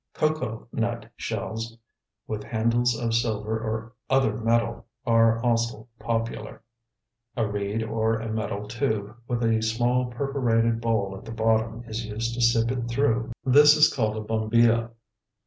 Cocoa nut shells, with handles of silver or other metal, are also popular. A reed or a metal tube, with a small perforated bowl at the bottom is used to sip it through. This is called a bombilla.